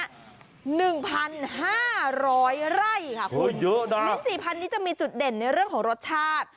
๑๕๐๐ไร่ค่ะคุณลิ้นจี่พันธุ์นี้จะมีจุดเด่นในเรื่องของรสชาติ